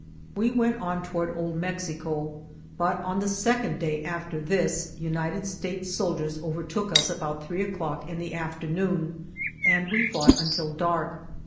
We went on toward Old Mexico, but on the second day after this United States sol diers overtook us about three o'clock in the afternoon and we fought until dark.